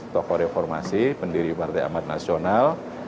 tokoh reformasi pendiri partai amat nasional